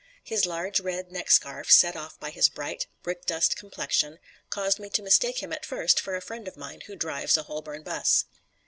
His large, red neckscarf set off by his bright, brick dust complexion caused me to mistake him at first for a friend of mine who drives a Holborn bus.